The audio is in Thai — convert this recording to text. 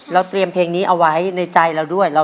เตรียมเพลงนี้เอาไว้ในใจเราด้วย